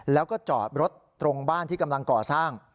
แล้วก็จอดรถตรงบ้านที่กำลังก่อสร้าง